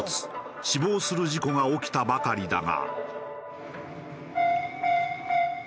死亡する事故が起きたばかりだが。